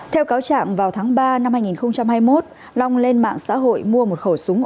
theo cáo trạng vào tháng ba năm hai nghìn hai mươi một long lên mạng xã hội mua một khẩu súng